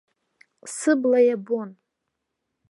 Сыбла иабон.